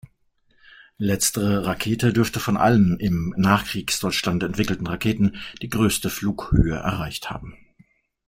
Letztere Rakete dürfte von allen im Nachkriegsdeutschland entwickelten Raketen die größte Flughöhe erreicht haben.